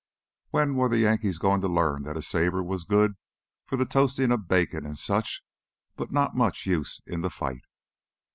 When were the Yankees going to learn that a saber was good for the toasting of bacon and such but not much use in the fight?